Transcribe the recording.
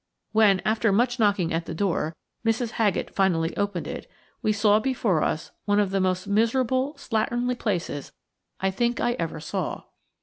When, after much knocking at the door, Mrs. Haggett finally opened it, we saw before us one of the most miserable, slatternly places I think I ever saw.